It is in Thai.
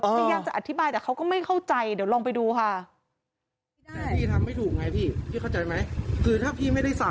พยายามจะอธิบายแต่เขาก็ไม่เข้าใจเดี๋ยวลองไปดูค่ะ